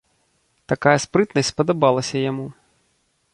Такая спрытнасць спадабалася яму.